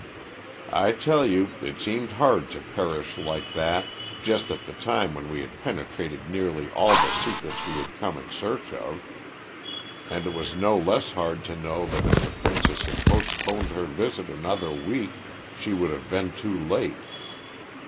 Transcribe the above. "I tell you it seemed hard to perish like that just at the time when we had penetrated nearly all the secrets we had come in search of. And it was no less hard to know that if the princess had postponed her visit another week she would have been too late.